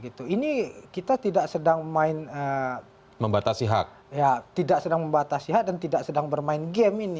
ini kita tidak sedang membatasi hak dan tidak sedang bermain game ini